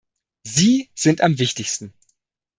Sie sind am wichtigsten.